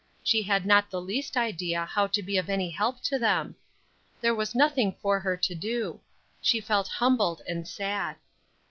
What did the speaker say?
She had not the least idea how to be of any help to them. There was nothing for her to do. She felt humbled and sad.